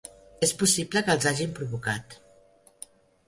És possible que els hagin provocat.